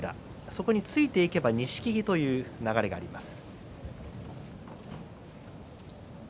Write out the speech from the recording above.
そこについていけば錦木という流れがあります。